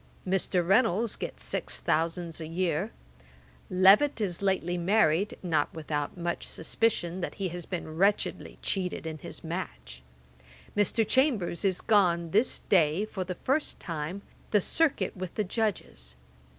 Mr. Reynolds gets six thousands a year. Levet is lately married, not without much suspicion that he has been wretchedly cheated in his match. Mr. Chambers is gone this day, for the first time, the circuit with the Judges.